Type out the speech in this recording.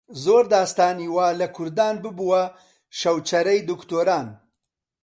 زۆر داستانی وا لە کوردان ببووە شەوچەرەی دکتۆران